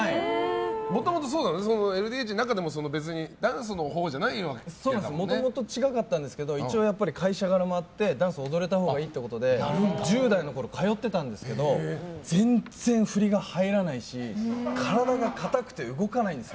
もともとＬＤＨの中でももともと違ったんですけど一応、会社柄もあってダンスが踊れたほうがいいということで１０代のころ通ってたんですけど全然振りが入らないし体が硬くて動かないんですよ。